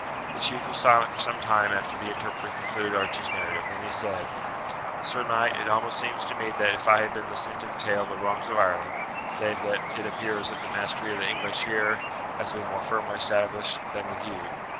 The chief was silent for some time after the interpreter concluded Archie's narrative; then he said: "Sir knight, it almost seems to me as if I had been listening to the tale of the wrongs of Ireland, save that it appears that the mastery of the English here has been more firmly established than with you.